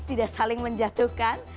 tidak saling menjatuhkan